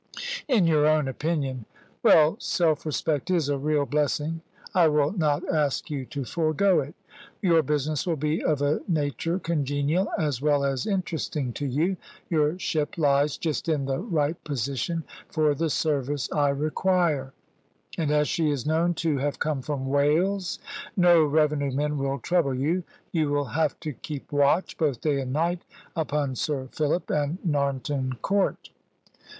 "In your own opinion. Well, self respect is a real blessing: I will not ask you to forego it. Your business will be of a nature congenial as well as interesting to you. Your ship lies just in the right position for the service I require; and as she is known to have come from Wales, no Revenue men will trouble you. You will have to keep watch, both day and night, upon Sir Philip and Narnton Court."